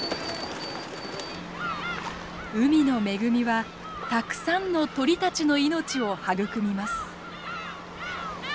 海の恵みはたくさんの鳥たちの命を育みます。